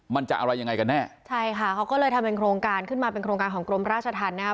มันจะอะไรยังไงกันแน่ใช่ค่ะเขาก็เลยทำเป็นโครงการขึ้นมาเป็นโครงการของกรมราชธรรมนะครับ